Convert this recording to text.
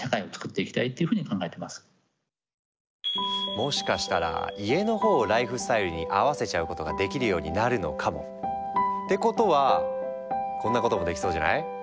もしかしたら家のほうをライフスタイルに合わせちゃうことができるようになるのかも！ってことはこんなこともできそうじゃない？